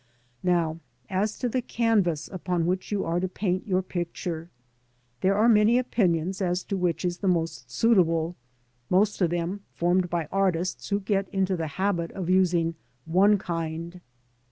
Now as to the canvas upon which you are to paint your picture. There are many opinions as to which is the most suit able, most of them formed by artists who get into the habit of using one kind.